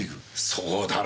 そうだろ。